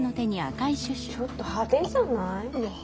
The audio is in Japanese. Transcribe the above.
ちょっと派手じゃない？